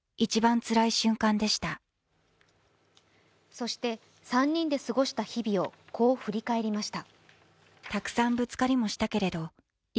そして、３人で過ごした日々を、こう振り返りました。